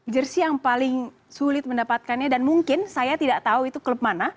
jersi yang paling sulit mendapatkannya dan mungkin saya tidak tahu itu klub mana